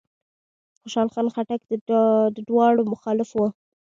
خوشحال خان خټک د دواړو مخالف و.